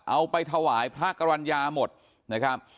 เอาไปถวายพระกรรณญาหมดนะครับ